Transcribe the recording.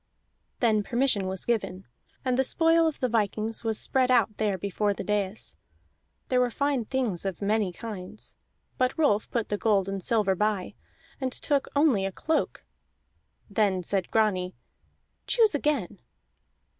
Then permission was given, and the spoil of the vikings was spread out there before the dais; there were fine things of many kinds. But Rolf put the gold and silver by, and took only a cloak. Then said Grani: "Choose again."